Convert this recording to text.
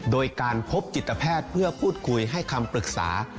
โดยการพบจิตแพทย์เพื่อพูดคุยให้คำปรึกษา